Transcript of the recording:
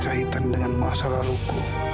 berkaitan dengan masa lalu ku